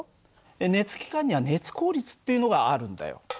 熱機関には熱効率っていうのがあるんだよ。